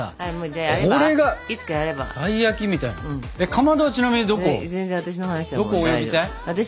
かまどはちなみにどこ泳ぎたい？